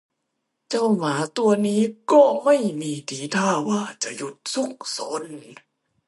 เจ้าหมาตัวนี้ก็ไม่มีทีท่าว่าจะหยุดซุกซน